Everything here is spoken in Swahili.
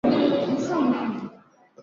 Nitaifanya mambo yote mapya, tazama natenda